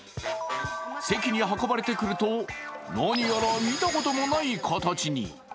席に運ばれてくると、何やら見たこともない形に。